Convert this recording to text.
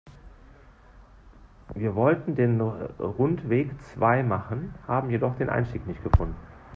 Wir wollten den Rundweg zwei machen, haben jedoch den Einstieg nicht gefunden.